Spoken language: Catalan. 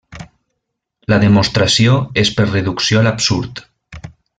La demostració és per reducció a l'absurd.